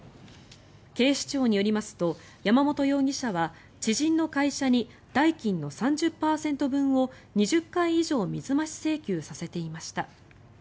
警視庁によりますと山本容疑者は知人の会社に代金の３０％分を２０回以上水増し請求させていました。